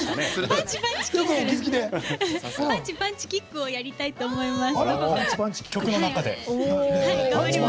パンチパンチキックをやりたいと思います。